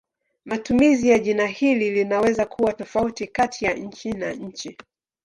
Matumizi ya jina hili linaweza kuwa tofauti kati ya nchi na nchi.